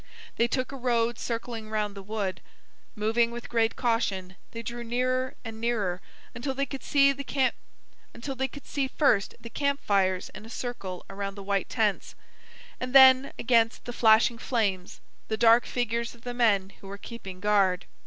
They took a road circling round the wood. Moving with great caution, they drew nearer and nearer until they could see first the camp fires in a circle around the white tents; and then, against the flashing flames, the dark figures of the men who were keeping guard.